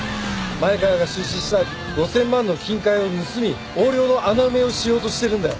前川が出資した５，０００万の金塊を盗み横領の穴埋めをしようとしてるんだよ。